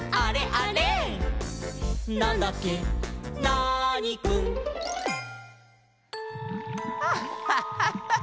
ナーニくん」アッハハハハ